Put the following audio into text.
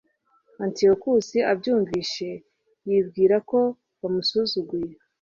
antiyokusi abyumvise, yibwira ko bamusuzuguye